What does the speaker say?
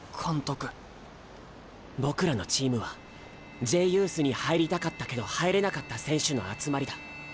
僕らのチームはＪユースに入りたかったけど入れなかった選手の集まりだ。